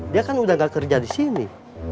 dia kan udah gak kerja disini